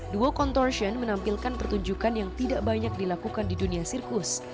duo contortion menampilkan pertunjukan yang tidak banyak dilakukan di dunia sirkus